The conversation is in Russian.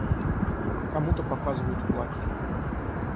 Кому-то показывают кулаки.